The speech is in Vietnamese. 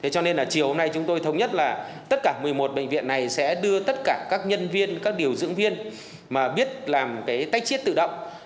cho nên là chiều hôm nay chúng tôi thống nhất là tất cả một mươi một bệnh viện này sẽ đưa tất cả các nhân viên các điều dưỡng viên mà biết làm cái tách chiết tự động